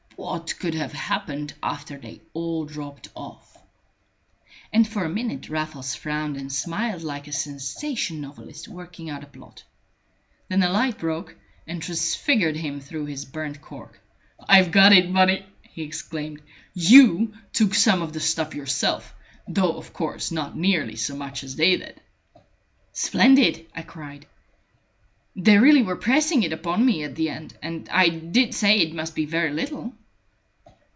What could have happened after they all dropped off?" And for a minute Raffles frowned and smiled like a sensation novelist working out a plot; then the light broke, and transfigured him through his burnt cork. "I've got it, Bunny!" he exclaimed. "You took some of the stuff yourself, though of course not nearly so much as they did. "Splendid!" I cried. "They really were pressing it upon me at the end, and I did say it must be very little."